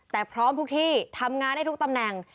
แต่พร้อมทุกที่ทำงานได้ทุกตำแหน่ง